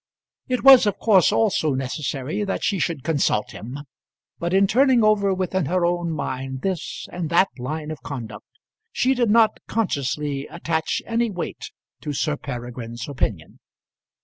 It was of course also necessary that she should consult him; but in turning over within her own mind this and that line of conduct, she did not, consciously, attach any weight to Sir Peregrine's opinion.